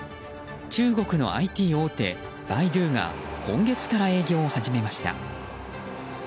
中国のＩＴ大手バイドゥが今月から営業を始めました。